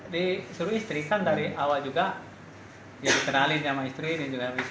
di seluruh istri kan dari awal juga dikenalin sama istri dikenalin sama istri